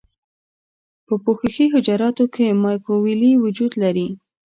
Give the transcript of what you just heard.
په پوښښي حجراتو کې مایکروویلې وجود لري.